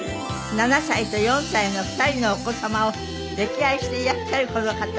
７歳と４歳の２人のお子様を溺愛していらっしゃるこの方。